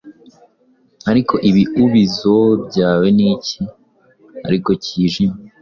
Ariko ibiubizo byawe niki, ariko cyijimye